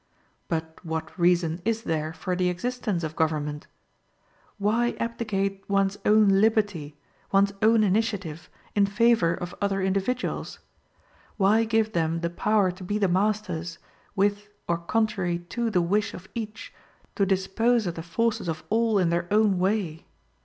But what reason is there for the existence of government? Why abdicate one's own liberty, one's own initiative in favor of other individuals? Why give them the power to be the masters, with or contrary to the wish of each, to dispose of the forces of all in their own way?